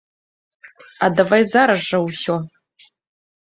Аддавай зараз жа ўсё!